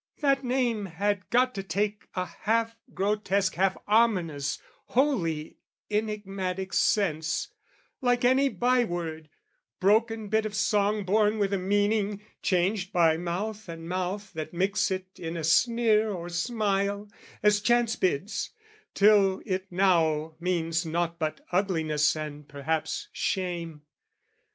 That name had got to take a half grotesque Half ominous, wholly enigmatic sense, Like any bye word, broken bit of song Born with a meaning, changed by mouth and mouth That mix it in a sneer or smile, as chance Bids, till it now means nought but ugliness And perhaps shame.